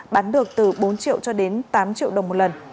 bán được từ bốn triệu cho đến tám triệu đồng một lần